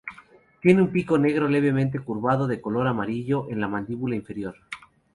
Tiene un pico negro levemente curvado, de color amarillo en la mandíbula inferior.